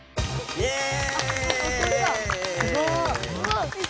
イェーイ！